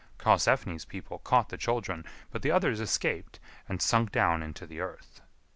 Karlsefni's people caught the children, but the others escaped and sunk down into the earth.